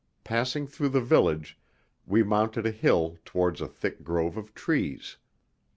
Passing through the village, we mounted a hill towards a thick grove of trees.